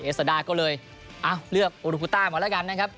สดาก็เลยเลือกโอลูกุต้ามาแล้วกันนะครับ